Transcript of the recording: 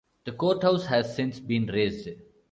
The courthouse has since been razed.